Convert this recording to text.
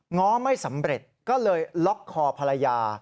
้อไม่สำเร็จก็เลยล็อกคอภรรยา